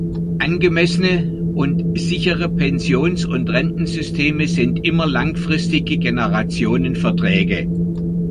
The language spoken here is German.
Angemessene und sichere Pensions- und Rentensysteme sind immer langfristige Generationenverträge.